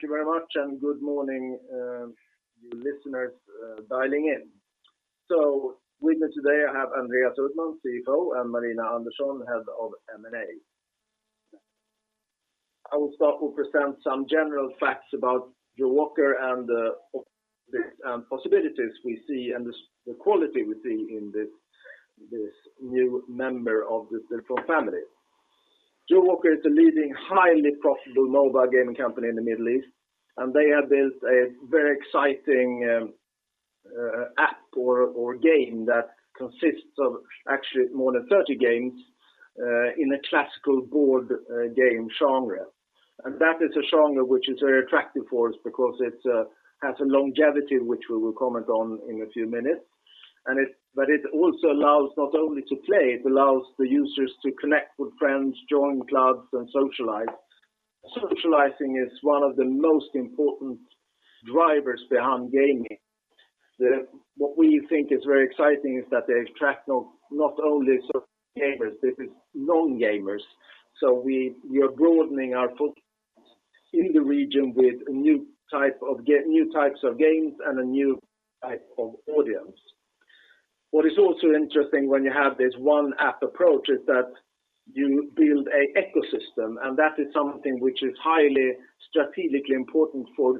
Thank you very much. Good morning new listeners dialing in. With me today, I have Andreas Uddman, CFO, and Marina Andersson, Head of M&A. I will start to present some general facts about Jawaker and the possibilities we see, and the quality we see in this new member of the Stillfront family. Jawaker is the leading, highly profitable mobile gaming company in the Middle East, and they have built a very exciting app or game that consists of actually more than 30 games, in a classical board game genre. That is a genre which is very attractive for us because it has a longevity, which we will comment on in a few minutes. It also allows not only to play, it allows the users to connect with friends, join clubs, and socialize. Socializing is one of the most important drivers behind gaming. What we think is very exciting is that they attract not only social gamers, this is non-gamers. We are broadening our footprint in the region with new types of games and a new type of audience. What is also interesting when you have this one app approach is that you build an ecosystem, and that is something which is highly strategically important for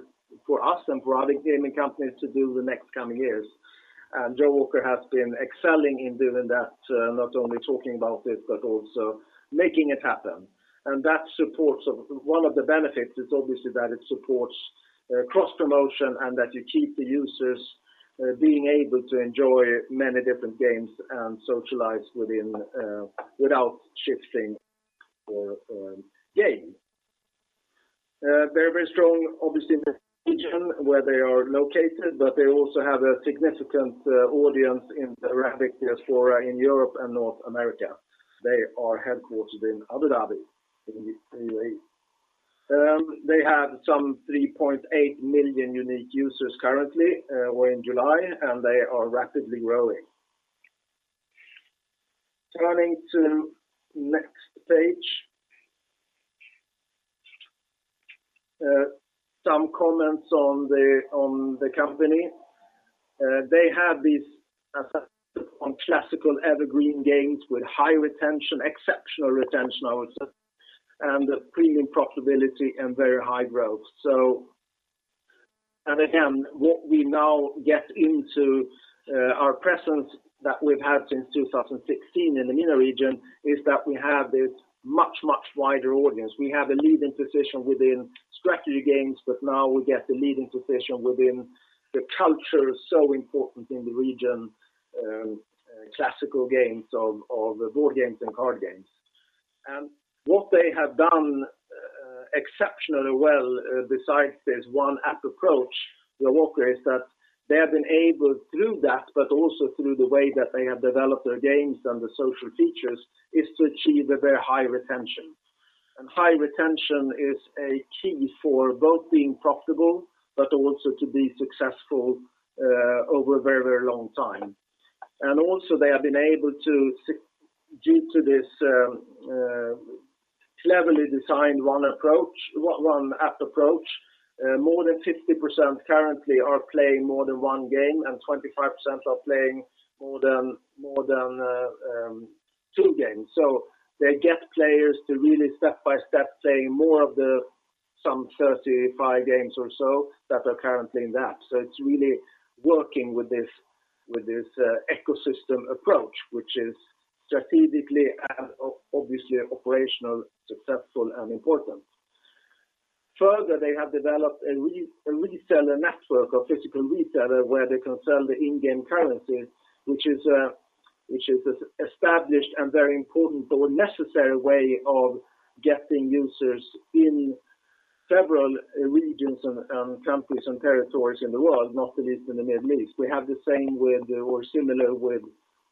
us and for other gaming companies to do the next coming years. Jawaker has been excelling in doing that, not only talking about it, but also making it happen. One of the benefits is obviously that it supports cross-promotion and that you keep the users being able to enjoy many different games and socialize without shifting game. Very strong, obviously in the region where they are located, but they also have a significant audience in the Arabic diaspora in Europe and North America. They are headquartered in Abu Dhabi, in the U.A.E. They have some 3.8 million unique users currently, were in July. They are rapidly growing. Turning to next page. Some comments on the company. They have these assets on classical evergreen games with high retention, exceptional retention, I would say. Premium profitability and very high growth. Again, what we now get into, our presence that we've had since 2016 in the MENA region is that we have this much, much wider audience. We have a leading position within strategy games. Now we get a leading position within the culture so important in the region, classical games of board games and card games. What they have done exceptionally well, besides this one app approach, Jawaker, is that they have been able, through that, but also through the way that they have developed their games and the social features, is to achieve a very high retention. High retention is a key for both being profitable but also to be successful over a very, very long time. Also they have been able to, due to this cleverly designed one app approach, more than 50% currently are playing more than one game, and 25% are playing more than two games. They get players to really step by step play more of the some 35 games or so that are currently in the app. It's really working with this ecosystem approach, which is strategically and obviously operationally successful and important. Further, they have developed a reseller network of physical retailers where they can sell the in-game currency, which is established and very important, but necessary way of getting users in several regions and countries and territories in the world, not the least in the Middle East. We have the same with, or similar with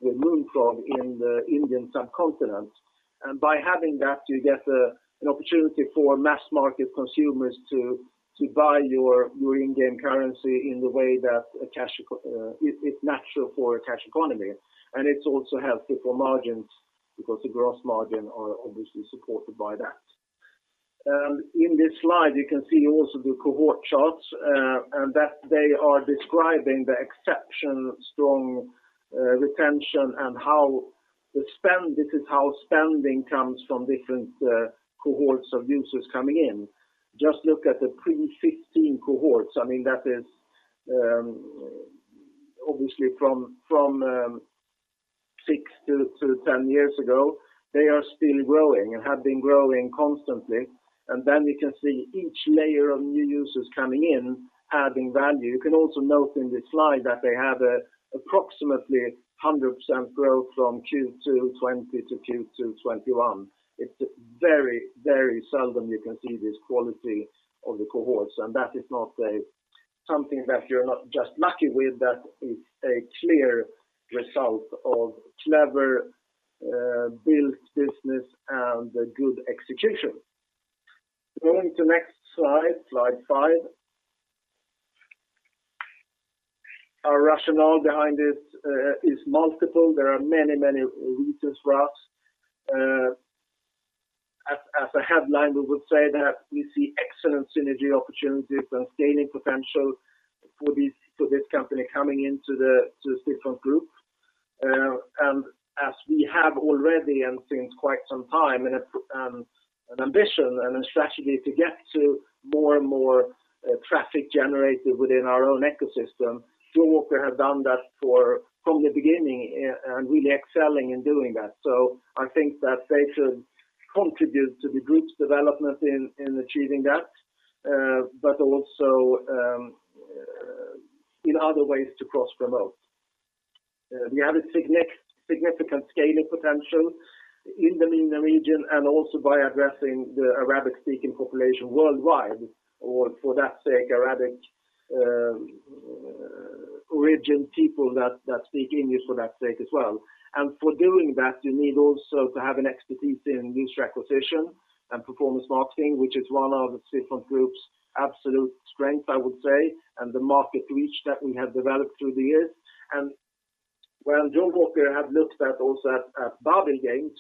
Moonfrog in the Indian subcontinent. By having that, you get an opportunity for mass market consumers to buy your in-game currency in the way that is natural for a cash economy. It also helps profit margins because the gross margin are obviously supported by that. In this slide, you can see also the cohort charts, and that they are describing the exceptional strong retention and this is how spending comes from different cohorts of users coming in. Just look at the pre-2015 cohorts. That is obviously from 6-10 years ago. They are still growing and have been growing constantly. You can see each layer of new users coming in adding value. You can also note in this slide that they have approximately 100% growth from Q2 2020-Q2 2021. It's very seldom you can see this quality of the cohorts, and that is not something that you're not just lucky with, that is a clear result of clever built business and good execution. Going to next slide five. Our rationale behind this is multiple. There are many reasons for us. As a headline, we would say that we see excellent synergy opportunities and scaling potential for this company coming into the Stillfront Group. As we have already, and since quite some time, an ambition and a strategy to get to more and more traffic generated within our own ecosystem. Jawaker have done that from the beginning, and really excelling in doing that. I think that they should contribute to the group's development in achieving that, but also in other ways to cross-promote. We have a significant scaling potential in the MENA region, and also by addressing the Arabic-speaking population worldwide, or for that sake, Arabic origin people that speak English for that sake as well. For doing that, you need also to have an expertise in User Acquisition and performance marketing, which is one of Stillfront Group's absolute strength, I would say, and the market reach that we have developed through the years. While Jawaker have looked at also at Babil Games,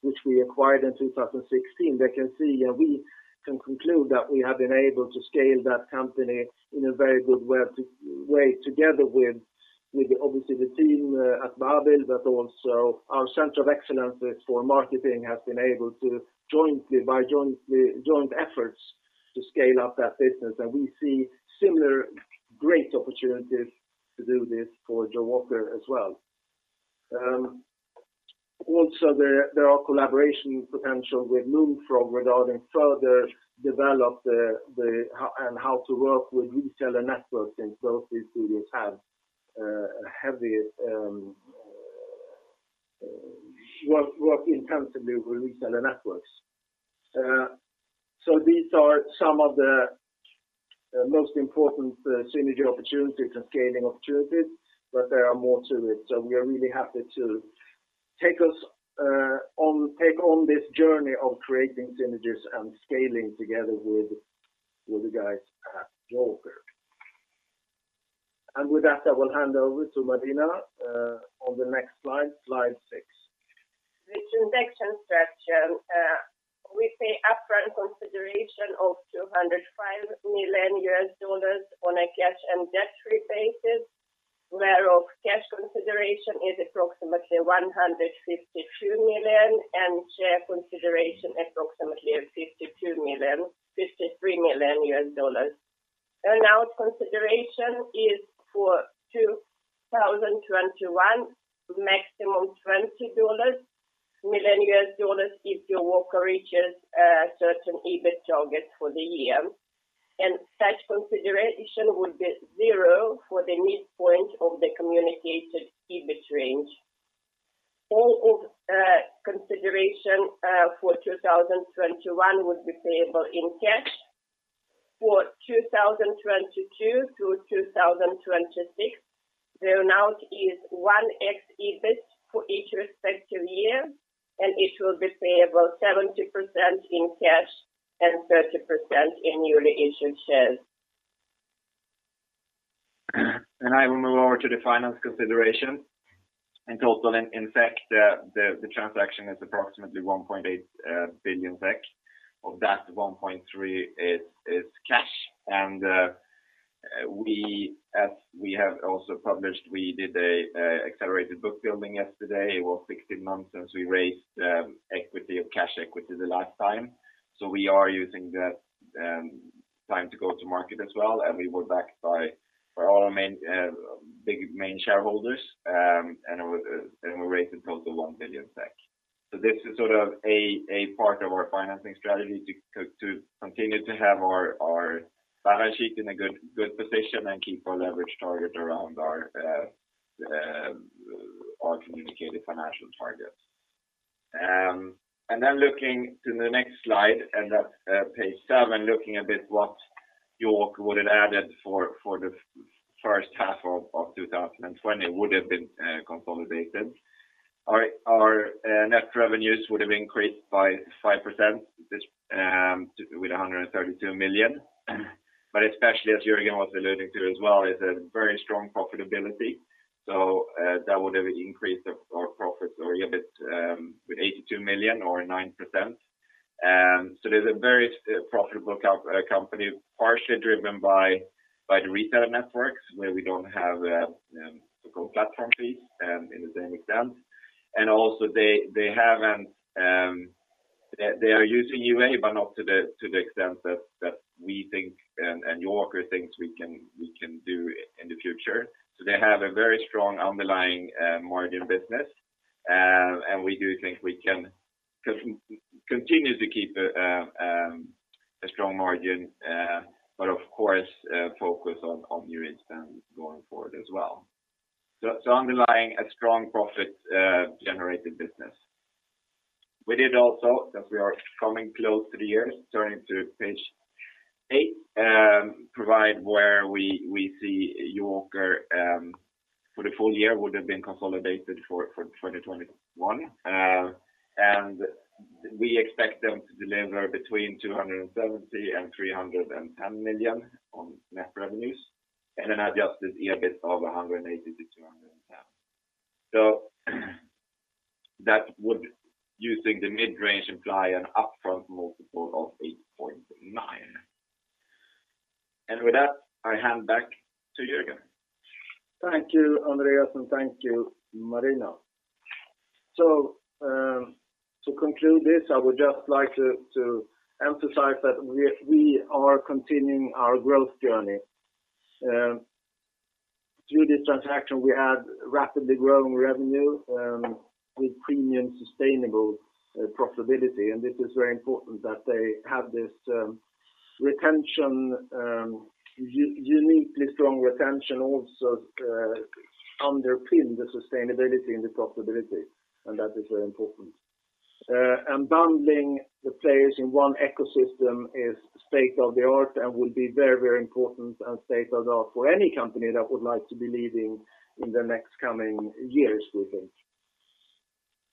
which we acquired in 2016, we can conclude that we have been able to scale that company in a very good way, together with obviously the team at Babil, also our Center of Excellence for marketing has been able, by joint efforts, to scale up that business. We see similar great opportunities to do this for Jawaker as well. Also, there are collaboration potential with Moonfrog regarding further develop and how to work with Reseller Networks, since both these studios work intensively with Reseller Networks. These are some of the most important synergy opportunities and scaling opportunities, there are more to it. We are really happy to take on this journey of creating synergies and scaling together with the guys at Jawaker. With that, I will hand over to Marina on the next slide six. The transaction structure. We pay upfront consideration of $205 million on a cash and debt-free basis, where of cash consideration is approximately $152 million, and share consideration approximately $53 million. Earnout consideration is for 2021, maximum $20 million if Jawaker reaches a certain EBIT target for the year, and such consideration would be zero for the midpoint of the communicated EBIT range. All of consideration for 2021 would be payable in cash. For 2022 to 2026, the earnout is 1x EBIT for each respective year, it will be payable 70% in cash and 30% in newly issued shares. I will move over to the finance consideration. In total, in fact, the transaction is approximately 1.8 billion. Of that, 1.3 billion is cash. We have also published, we did an accelerated book building yesterday. It was 16 months since we raised equity of cash equity the last time. We are using that time to go to market as well, and we were backed by all our big main shareholders, and we raised a total of 1 billion SEK. This is sort of a part of our financing strategy to continue to have our balance sheet in a good position and keep our leverage target around our communicated financial targets. Looking to the next slide, and that's page seven, looking a bit what Jawaker would have added for the first half of 2020, would have been consolidated. Our net revenues would have increased by 5%, with 132 million. Especially as Jörgen was alluding to as well, is a very strong profitability. That would have increased our profits a little bit with 82 million or 9%. There's a very profitable company, partially driven by the reseller networks where we don't have so-called platform fees in the same extent. Also, they are using UA, but not to the extent that we think and Jawaker thinks we can do in the future. They have a very strong underlying margin business, and we do think we can continue to keep a strong margin, but of course, focus on new installs going forward as well. Underlying a strong profit-generating business. With it also, that we are coming close to the year, turning to page eight, provide where we see Jawaker for the full year would have been consolidated for 2021. We expect them to deliver between 270 million and 310 million on net revenues and an adjusted EBIT of 180 million to 210 million. That would, using the mid-range, imply an upfront multiple of 8.9. With that, I hand back to Jörgen. Thank you, Andreas, and thank you, Marina Andersson. To conclude this, I would just like to emphasize that we are continuing our growth journey. Through this transaction, we add rapidly growing revenue with premium sustainable profitability, and this is very important that they have this uniquely strong retention also underpin the sustainability and the profitability, and that is very important. Bundling the players in one ecosystem is state of the art and will be very important and state of the art for any company that would like to be leading in the next coming years, we think.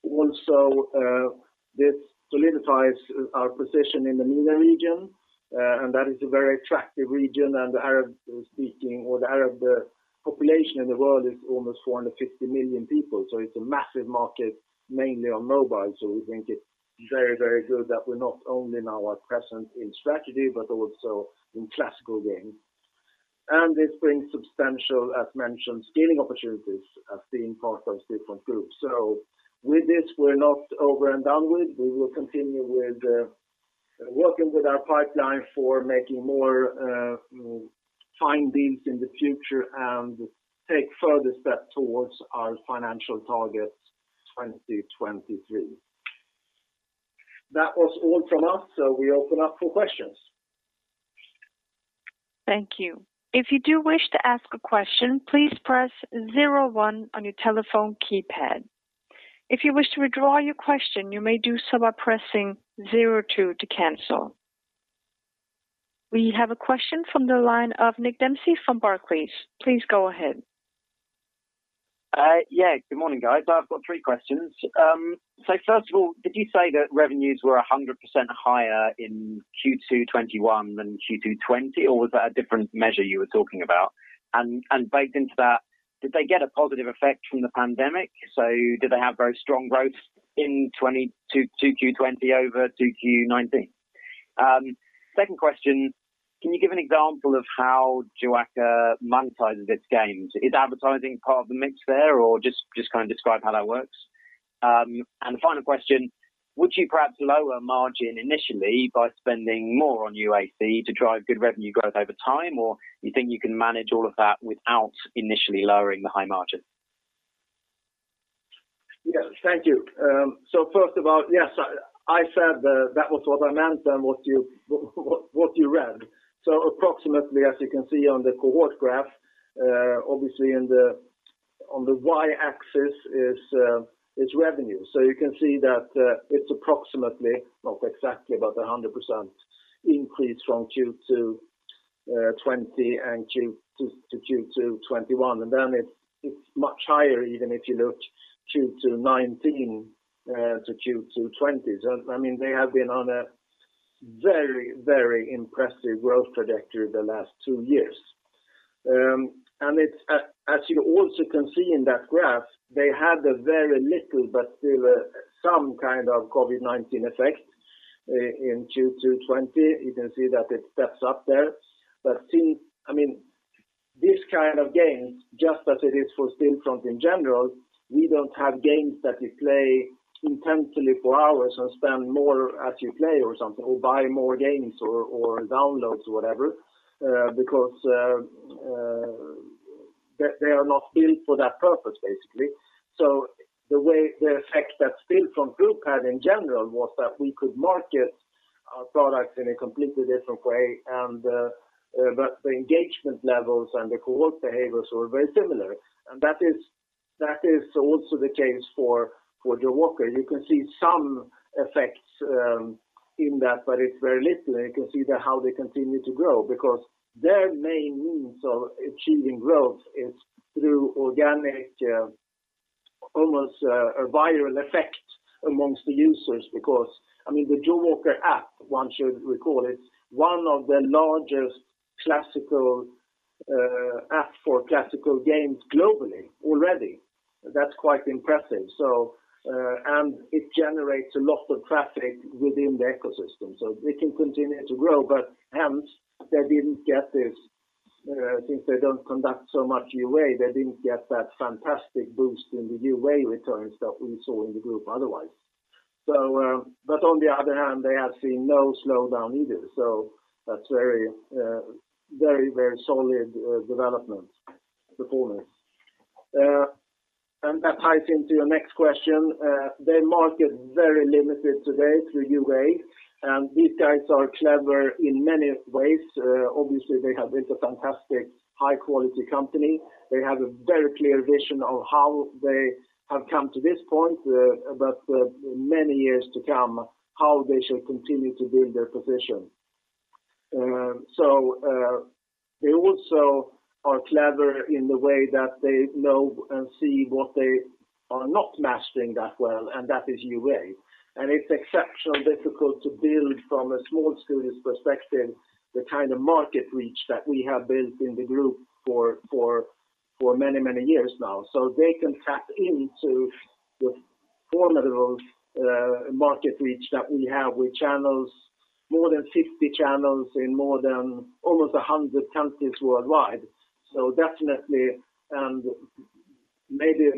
Also, this solidifies our position in the MENA region, and that is a very attractive region. The Arab-speaking, or the Arab population in the world is almost 450 million people. It's a massive market, mainly on mobile. We think it's very good that we're not only now are present in strategy, but also in classical games. This brings substantial, as mentioned, scaling opportunities as being part of Stillfront Group. With this, we're not over and done with. We will continue with working with our pipeline for making more fine deals in the future and take further steps towards our financial targets 2023. That was all from us. We open up for questions. Thank you. If you do wish to ask a question, please press zero one on your telephone keypad. If you wish to withdraw your question, you may do so by pressing zero two to cancel. We have a question from the line of Nick Dempsey from Barclays. Please go ahead. Good morning, guys. I've got three questions. First of all, did you say that revenues were 100% higher in Q2 2021 than Q2 2020, or was that a different measure you were talking about? Baked into that, did they get a positive effect from the pandemic? Did they have very strong growth in Q2 2020 over Q2 2019? Second question, can you give an example of how Jawaker monetizes its games? Is advertising part of the mix there, or just describe how that works? The final question, would you perhaps lower margin initially by spending more on UA to drive good revenue growth over time, or you think you can manage all of that without initially lowering the high margin? Yes. Thank you. First of all, yes, I said that was what I meant and what you read. Approximately, as you can see on the cohort graph, obviously on the Y-axis is revenue. You can see that it's approximately, not exactly, but 100% increase from Q2 2020-Q2 2021. It's much higher even if you look Q2 2019-Q2 2020. They have been on a very impressive growth trajectory the last two years. As you also can see in that graph, they had a very little, but still some kind of COVID-19 effect in Q2 2020. You can see that it steps up there. These kind of games, just as it is for Stillfront in general, we don't have games that you play intensely for hours and spend more as you play or something, or buy more games or downloads, whatever, because they are not built for that purpose, basically. The effect that Stillfront Group had in general was that we could market our products in a completely different way, but the engagement levels and the cohort behaviors were very similar. That is also the case for the Jawaker. You can see some effects in that, but it's very little, and you can see that how they continue to grow, because their main means of achieving growth is through organic, almost a viral effect amongst the users. The Jawaker app, one should recall, is one of the largest app for classical games globally already. That's quite impressive. It generates a lot of traffic within the ecosystem, so they can continue to grow, hence, since they don't conduct so much UA, they didn't get that fantastic boost in the UA returns that we saw in the group otherwise. On the other hand, they have seen no slowdown either, so that's very solid development performance. That ties into your next question. They market very limited today through UA, and these guys are clever in many ways. Obviously, they have built a fantastic high-quality company. They have a very clear vision of how they have come to this point, but many years to come, how they should continue to build their position. They also are clever in the way that they know and see what they are not mastering that well, and that is UA. It's exceptionally difficult to build from a small studio's perspective, the kind of market reach that we have built in the group for many, many years now. They can tap into the formidable market reach that we have with more than 50 channels in almost 100 countries worldwide. Definitely, and maybe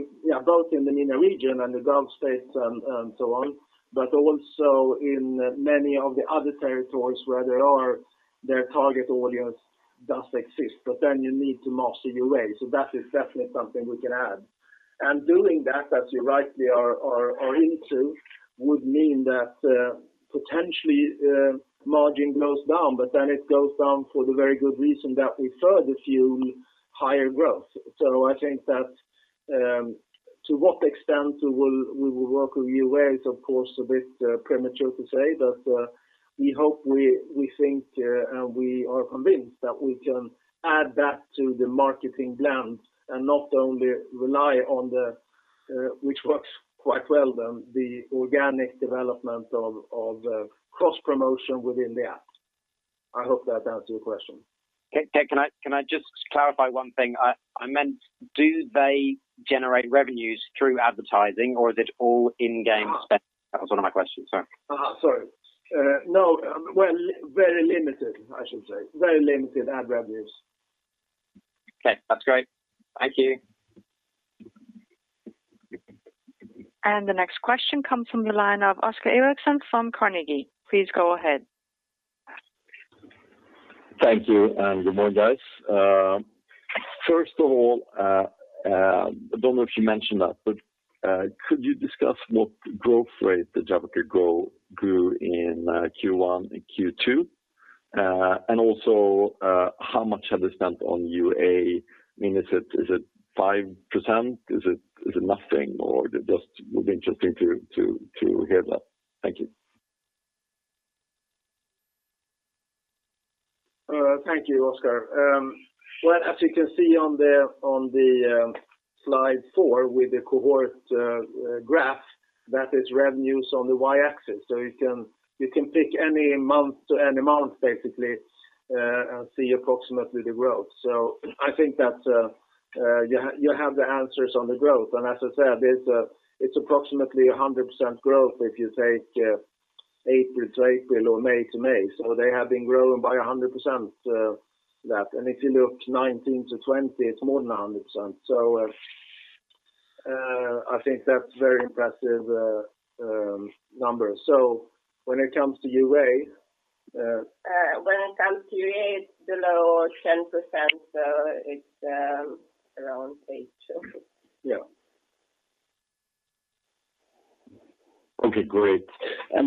both in the MENA region and the Gulf States and so on, but also in many of the other territories where their target audience does exist. You need to master UA, so that is definitely something we can add. Doing that, as you rightly are into, would mean that potentially margin goes down, but then it goes down for the very good reason that we further fuel higher growth. I think that to what extent we will work with UA is, of course, a bit premature to say, but we hope, we think, and we are convinced that we can add that to the marketing blend and not only rely on which works quite well, the organic development of cross-promotion within the app. I hope that answers your question. Okay. Can I just clarify one thing? I meant do they generate revenues through advertising or is it all in-game spend? That was one of my questions, sorry. Sorry. No, very limited, I should say. Very limited ad revenues. Okay, that's great. Thank you. The next question comes from the line of Oscar Erixon from Carnegie. Please go ahead. Thank you. Good morning, guys. First of all, I don't know if you mentioned that, could you discuss what growth rate the Jawaker game grew in Q1 and Q2? Also how much have they spent on UA? I mean, is it 5%? Is it nothing, or just would be interesting to hear that. Thank you. Thank you, Oscar. Well, as you can see on slide four with the cohort graph, that is revenues on the Y-axis. You can pick any month to any month, basically, and see approximately the growth. I think that you have the answers on the growth. As I said, it's approximately 100% growth if you take April to April or May to May. They have been growing by 100% that. If you look 2019-2020, it's more than 100%. I think that's a very impressive number. When it comes to UA. When it comes to UA, it's below 10%, so it's around 8%. Yeah. Okay, great. A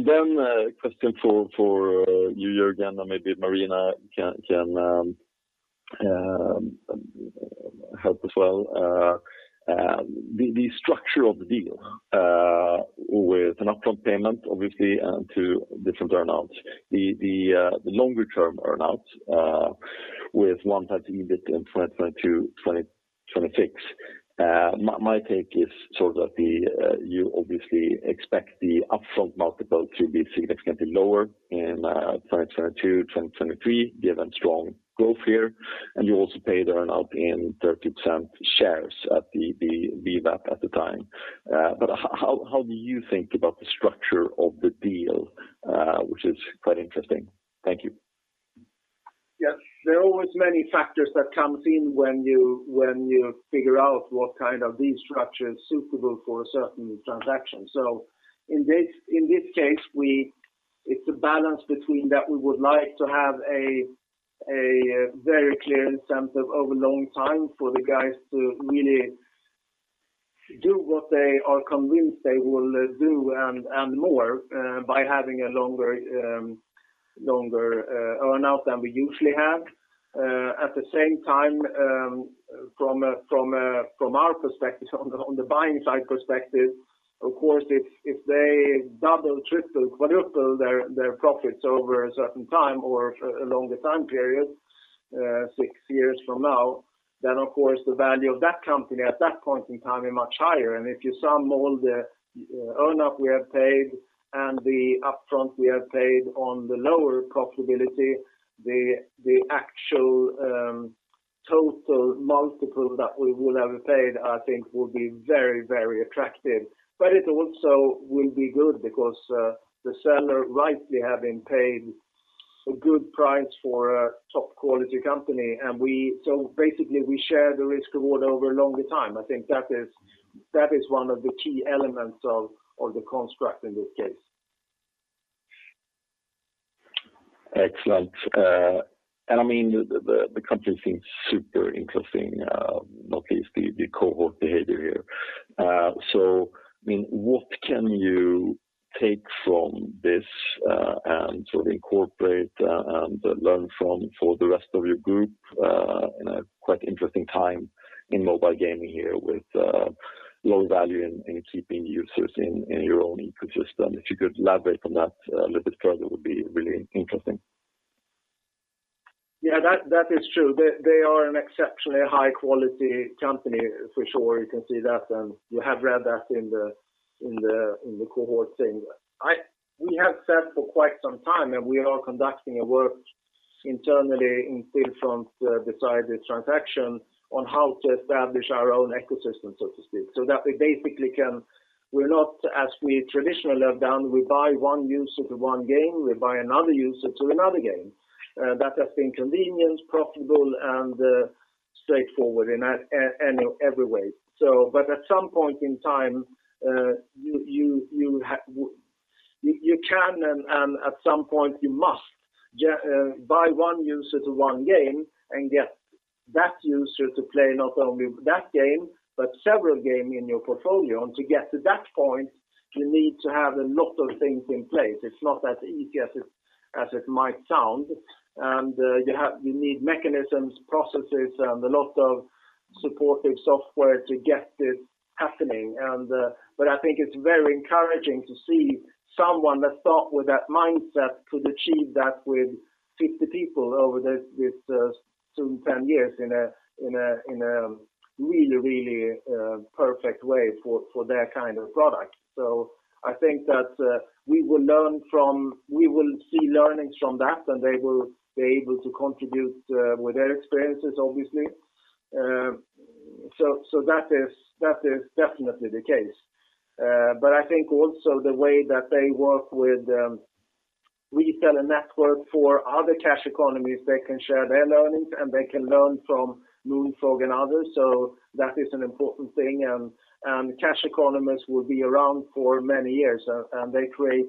question for you, Jörgen, and maybe Marina can help as well. The structure of the deal with an upfront payment, obviously, and two different earn-outs. The longer-term earn-outs with one tied to EBITDA and 2022, 2026. My take is sort of that you obviously expect the upfront multiple to be significantly lower in 2022, 2023, given strong growth here. You also pay the earn-out in 30% shares at the VWAP at the time. How do you think about the structure of the deal, which is quite interesting? Thank you. Yes. There are always many factors that comes in when you figure out what kind of deal structure is suitable for a certain transaction. In this case, it's a balance between that we would like to have a very clear incentive over a long time for the guys to really do what they are convinced they will do and more by having a longer earn-out than we usually have. At the same time, from our perspective, on the buying side perspective, of course, if they double, triple, quadruple their profits over a certain time or a longer time period, six years from now, then of course, the value of that company at that point in time is much higher. If you sum all the earn-out we have paid and the upfront we have paid on the lower profitability, the actual total multiple that we will have paid, I think will be very attractive. It also will be good because the seller rightly have been paid a good price for a top-quality company. Basically, we share the risk award over a longer time. I think that is one of the key elements of the construct in this case. Excellent. I mean, the company seems super interesting, not least the cohort behavior here. I mean, what can you take from this and sort of incorporate and learn from for the rest of your group in a quite interesting time in mobile gaming here with low value in keeping users in your own ecosystem? If you could elaborate on that a little bit further, would be really interesting. Yeah, that is true. They are an exceptionally high-quality company for sure. You can see that, and you have read that in the cohort thing. We have said for quite some time, and we are conducting work internally in Stillfront beside the transaction on how to establish our own ecosystem, so to speak, so that we basically We're not as we traditionally have done, we buy one user to one game, we buy another user to another game. That has been convenient, profitable, and straightforward in every way. At some point in time, you can and at some point you must buy one user to one game and get that user to play not only that game, but several games in your portfolio. To get to that point, you need to have a lot of things in place. It's not as easy as it might sound. You need mechanisms, processes, and a lot of supportive software to get this happening. I think it's very encouraging to see someone that thought with that mindset could achieve that with 50 people over this soon 10 years in a really perfect way for their kind of product. I think that we will see learnings from that, and they will be able to contribute with their experiences, obviously. That is definitely the case. I think also the way that they work with reseller network for other cash economies, they can share their learnings, and they can learn from Moonfrog and others. That is an important thing. Cash economies will be around for many years, and they create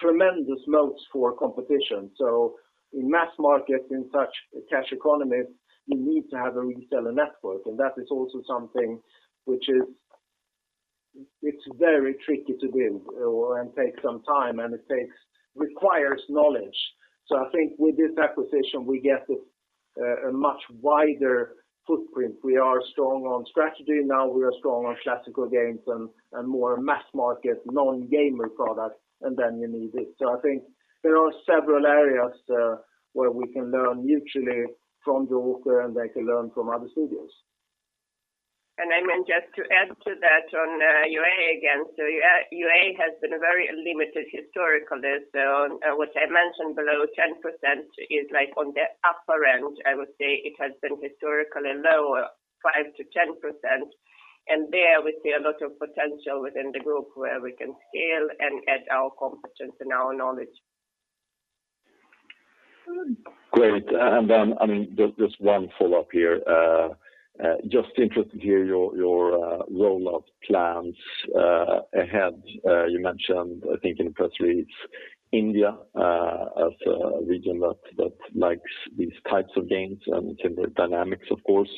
tremendous moats for competition. In mass market, in such cash economies, you need to have a reseller network, and that is also something which is very tricky to do and takes some time, and it requires knowledge. I think with this acquisition, we get a much wider footprint. We are strong on strategy. Now we are strong on classical games and more mass market, non-gamer product, and then you need this. I think there are several areas where we can learn mutually from Jawaker, and they can learn from other studios. I mean, just to add to that on UA again, UA has been very limited historically. What I mentioned below 10% is on the upper end, I would say it has been historically lower, 5%-10%. There we see a lot of potential within the group where we can scale and add our competence and our knowledge. Great. Just one follow-up here. Just interested to hear your rollout plans ahead. You mentioned, I think in the press release, India as a region that likes these types of games and similar dynamics, of course,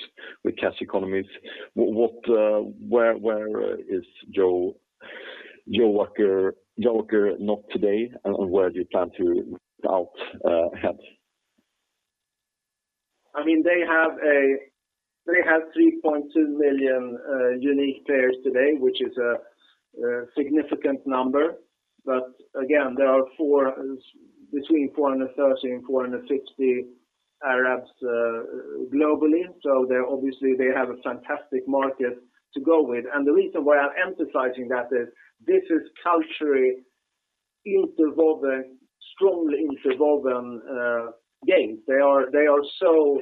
with cash economies. Where is Jawaker not today, and where do you plan to roll out ahead? They have 3.2 million unique players today, which is a significant number. Again, there are between 430 million and 460 million Arabs globally. Obviously they have a fantastic market to go with. The reason why I'm emphasizing that is this is culturally strongly interwoven games. They are so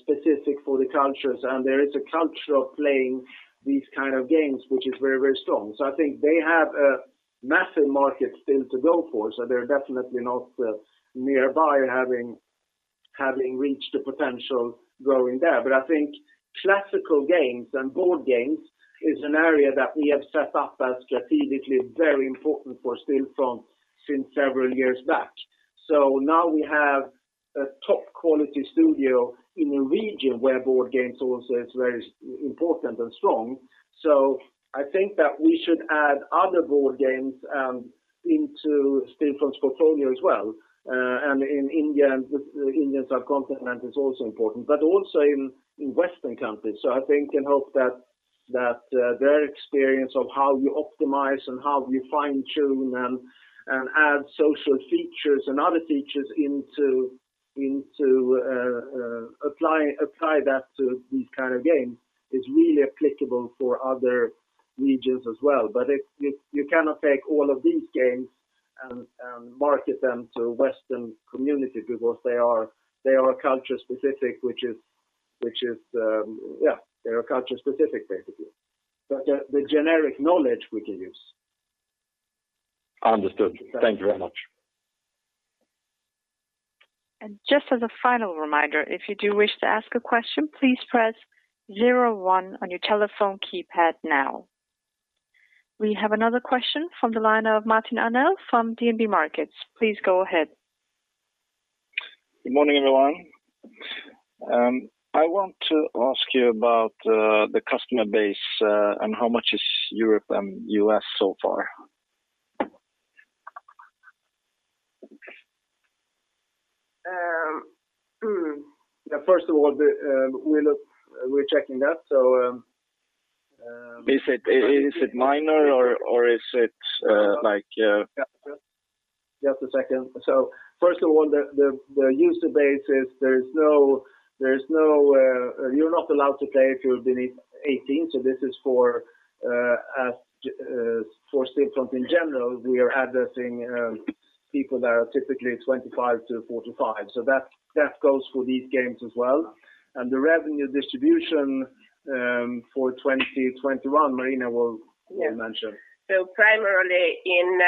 specific for the cultures, and there is a culture of playing these kind of games, which is very strong. I think they have a massive market still to go for. They're definitely not nearby having reached the potential growing there. I think classical games and board games is an area that we have set up as strategically very important for Stillfront since several years back. Now we have a top-quality studio in a region where board games also is very important and strong. I think that we should add other board games into Stillfront's portfolio as well. In the Indian subcontinent is also important, but also in Western countries. I think and hope that their experience of how you optimize and how you fine-tune and add social features and other features into apply that to these kind of games is really applicable for other regions as well. You cannot take all of these games and market them to Western community because they are culture-specific, basically. The generic knowledge we can use. Understood. Thank you very much. Just as a final reminder, if you do wish to ask a question, please press zero one on your telephone keypad now. We have another question from the line of Martin Arnell from DNB Markets. Please go ahead. Good morning, everyone. I want to ask you about the customer base, how much is Europe and U.S. so far? First of all we're checking that. Is it minor or is it like- Just a second. First of all, the user base, you are not allowed to play if you are beneath 18 years. This is for Stillfront in general, we are addressing people that are typically 25 to 45. That goes for these games as well. The revenue distribution for 2021, Marina will mention. Primarily in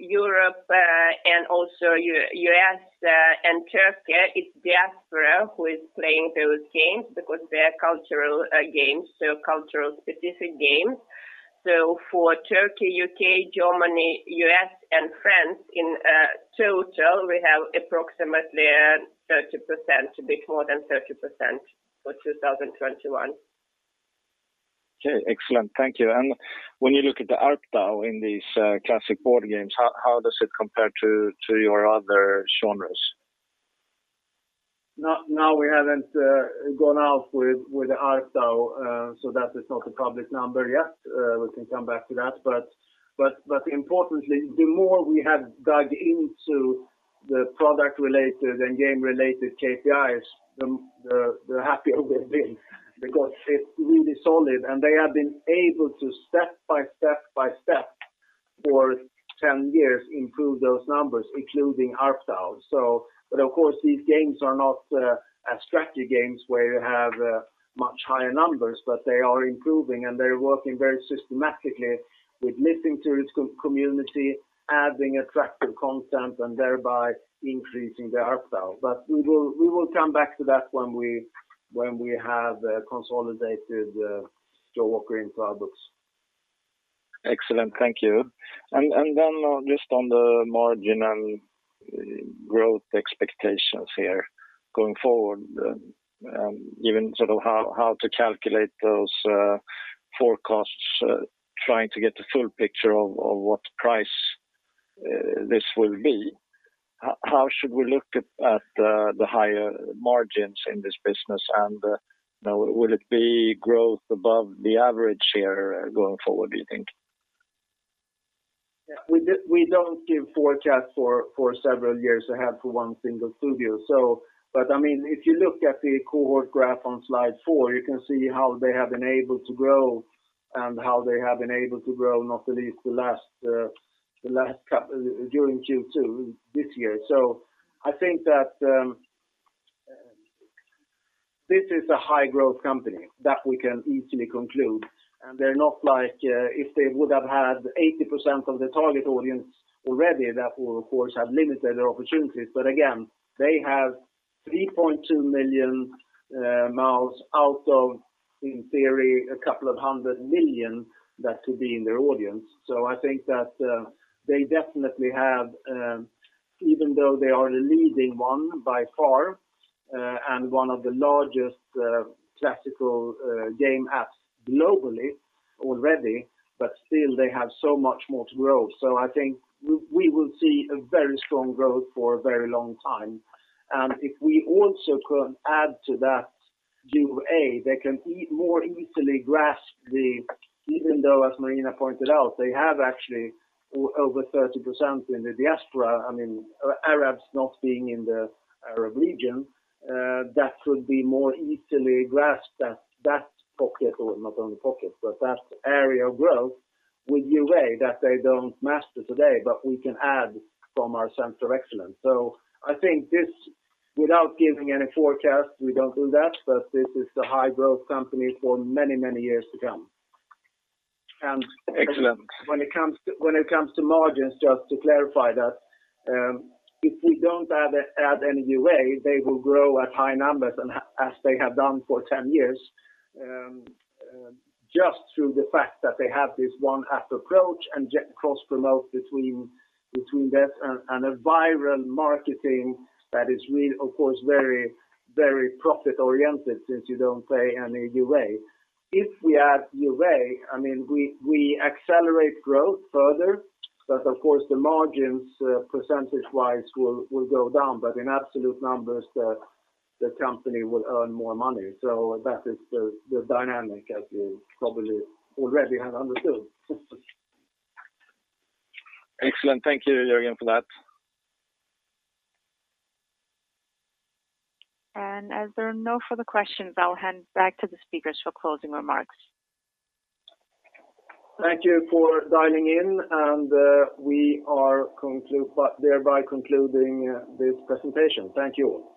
Europe and also U.S. and Turkey, it's diaspora who is playing those games because they are cultural games, so cultural specific games. For Turkey, U.K., Germany, U.S. and France in total, we have approximately 30%, a bit more than 30% for 2021. Okay. Excellent. Thank you. When you look at the ARPDAU in these classic board games, how does it compare to your other genres? We haven't gone out with the ARPDAU, so that is not a public number yet. We can come back to that. Importantly, the more we have dug into the product-related and game-related KPIs, the happier we've been because it's really solid, and they have been able to step by step by step for 10 years improve those numbers, including ARPDAU. Of course, these games are not strategy games where you have much higher numbers, but they are improving, and they're working very systematically with listening to its community, adding attractive content and thereby increasing the ARPDAU. We will come back to that when we have consolidated Jawaker into our books. Excellent. Thank you. Just on the margin and growth expectations here going forward, even sort of how to calculate those forecasts trying to get the full picture of what price this will be. How should we look at the higher margins in this business? Will it be growth above the average here going forward, do you think? We don't give forecast for several years ahead for one single studio. If you look at the cohort graph on slide four, you can see how they have been able to grow, not the least during Q2 this year. I think that this is a high-growth company that we can easily conclude, and they're not like if they would have had 80% of the target audience already, that will of course have limited their opportunities. Again, they have 3.2 million MAUs out of, in theory, a couple of hundred million that could be in their audience. I think that they definitely have, even though they are the leading one by far, and one of the largest classical game apps globally already, but still they have so much more to grow. I think we will see a very strong growth for a very long time. If we also can add to that UA, they can more easily grasp even though as Marina pointed out, they have actually over 30% in the diaspora. Arabs not being in the Arab region, that could be more easily grasped that pocket, or not only pocket, but that area of growth with UA that they don't master today, but we can add from our center of excellence. I think this, without giving any forecast, we don't do that, but this is a high-growth company for many, many years to come. Excellent. When it comes to margins, just to clarify that, if we don't add any UA, they will grow at high numbers as they have done for 10 years, just through the fact that they have this one app approach and cross-promote between that and a viral marketing that is of course, very profit-oriented since you don't pay any UA. If we add UA, we accelerate growth further, but of course the margins percentage-wise will go down. In absolute numbers, the company will earn more money. That is the dynamic as you probably already have understood. Excellent. Thank you, Jörgen, for that. As there are no further questions, I'll hand back to the speakers for closing remarks. Thank you for dialing in, and we are thereby concluding this presentation. Thank you all.